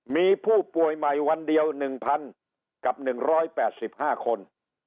มีผู้ป่วยใหม่วันเดียว๑๐๐กับ๑๘๕คน